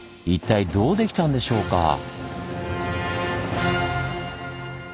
一体どうできたんでしょうか？